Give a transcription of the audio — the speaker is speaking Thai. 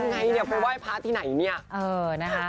ต้องไงผมไหว้พระที่ไหน